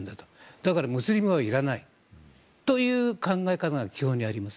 だからムスリムはいらないという考え方が基本にあります。